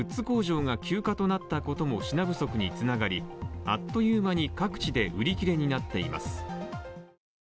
工場が休暇となったことも品不足につながり、あっという間に各地で売り切れになっています。